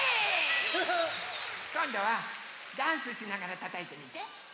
こんどはダンスしながらたたいてみて。